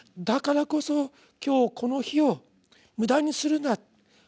だからこそ今日この日を無駄にするな。